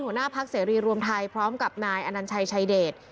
หัวหน้าพักเสรีรวมไทยพร้อมกับนายอนัญชัยชายเดช